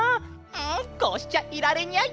うんこうしちゃいられニャイ！